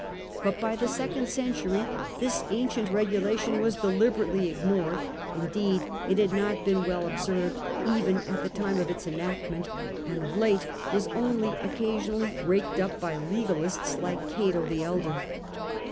But by the second century this ancient regula tion was deliberately ignored ; indeed, it had not been well observed even at the time of its enactment, and of late was only occasionally raked up by legalists like Cato the elder.